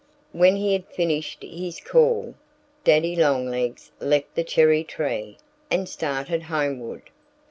When he had finished his call, Daddy Longlegs left the cherry tree and started homeward.